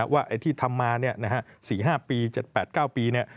ว่าที่ทำมา๔๕ปี๗๘๙ปีเนี่ย